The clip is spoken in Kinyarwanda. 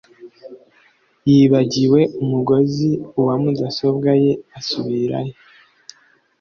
yibagiwe umugozi wa mudasobwa ye asubirayo